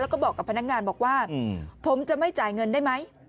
แล้วก็บอกกับพนักงานบอกว่าผมจะไม่จ่ายเงินได้ไหม